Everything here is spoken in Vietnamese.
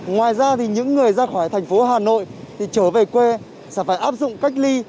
ngoài ra những người ra khỏi thành phố hà nội trở về quê sẽ phải áp dụng cách ly